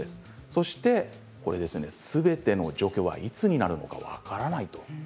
そしてすべての除去はいつになるのか分からない。